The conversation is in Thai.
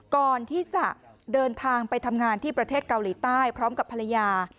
ก่อนที่จะเดินทางไปทำงานที่ประเทศเกาหลีใต้พร้อมกับภรรยา